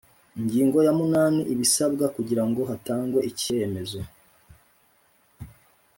Ingingo ya munani Ibisabwa kugirango hatangwe ikemezo